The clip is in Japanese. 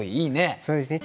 そうですね